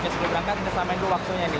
sebelum berangkat kita samain dulu waktunya nih